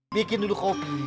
bikin dulu kopi